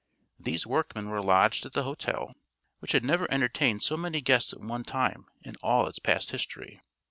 These workmen were lodged at the hotel, which had never entertained so many guests at one time in all its past history.